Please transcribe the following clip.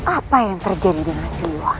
apa yang terjadi dengan siwa